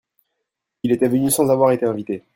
Il était venu sans avoir été invité.